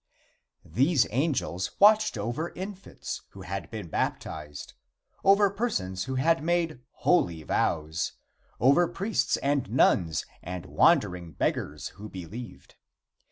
These angels watched over infants who had been baptized, over persons who had made holy vows, over priests and nuns and wandering beggars who believed.